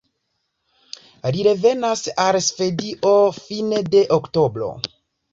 Li revenis al Svedio fine de oktobro.